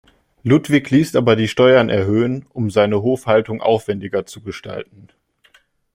Ludwig ließ aber die Steuern erhöhen, um seine Hofhaltung aufwendiger zu gestalten.